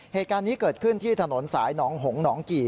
เหตุการณ์นี้เกิดขึ้นที่ถนนสายหนองหงหนองกี่